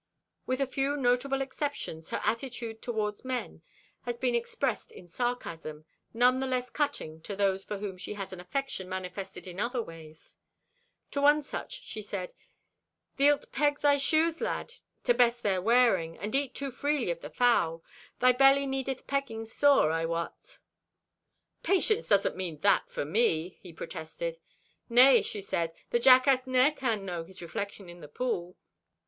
With a few notable exceptions, her attitude toward men has been expressed in sarcasm, none the less cutting to those for whom she has an affection manifested in other ways. To one such she said: "Thee'lt peg thy shoes, lad, to best their wearing, and eat too freely of the fowl. Thy belly needeth pegging sore, I wot." "Patience doesn't mean that for me," he protested. "Nay," she said, "the jackass ne'er can know his reflection in the pool.